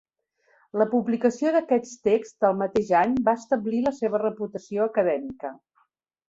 La publicació d'aquests texts al mateix any va establir la seva reputació acadèmica.